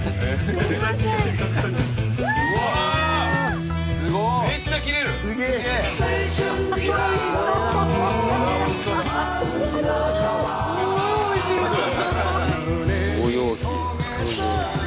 すんごいおいしいよ。